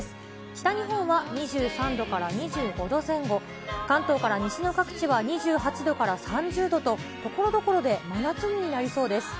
北日本は２３度から２５度前後、関東から西の各地は２８度から３０度と、ところどころで真夏日になりそうです。